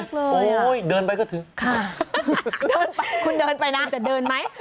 โอ้โหเดินไปก็ถือค่ะเดินไปคุณเดินไปนะจะเดินไหม